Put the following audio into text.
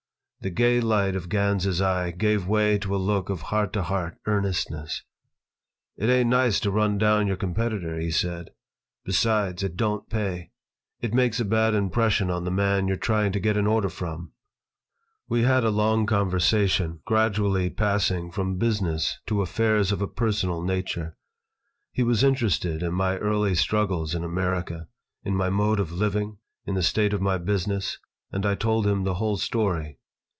The gay light of Gans's eye gave way to a look of heart to heart earnestness. "It ain't nice to run down your competitor," he said. "Besides, it don't pay. It makes a bad impression on the man you are trying to get an order from." We had a long conversation, gradually passing from business to affairs of a personal nature. He was interested in my early struggles in America, in my mode of living, in the state of my business, and I told him the whole story.